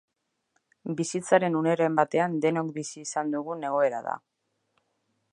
Bizitzaren uneren batean denok bizi izan dugun egoera da.